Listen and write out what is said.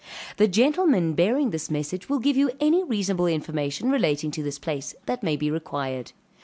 The gentlemen bearing this message will give you any reasonable information relating to this place, that may be required.